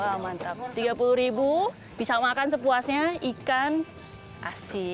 wah mantap tiga puluh bisa makan sepuasnya ikan asin